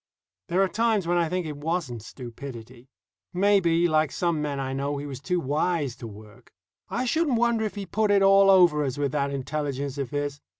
There are times when I think it wasn't stupidity. Maybe, like some men I know, he was too wise to work. I shouldn't wonder if he put it all over us with that intelligence of his.